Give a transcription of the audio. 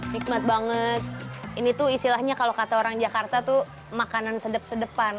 nikmat banget ini tuh istilahnya kalau kata orang jakarta tuh makanan sedep sedepan